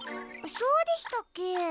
そうでしたっけ？